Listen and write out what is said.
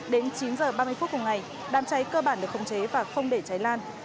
đến chín h ba mươi phút cùng ngày đám cháy cơ bản được khống chế và không để cháy lan